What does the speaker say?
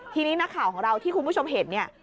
ทีนี้นักข่าวของเราที่คุณผู้ชมเห็นเนี่ย